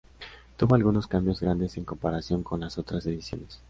Tuvo algunos cambios grandes en comparación con las otras ediciones.